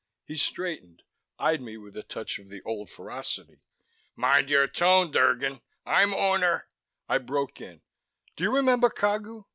He straightened, eyed me with a touch of the old ferocity. "Mind your tone, Drgon! I'm Owner " I broke in. "Do you remember Cagu?